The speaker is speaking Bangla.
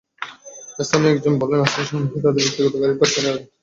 স্থানীয় একজন বললেন, আশপাশের অনেকেই তাঁদের ব্যক্তিগত গাড়ি পার্কে এনে রাখেন।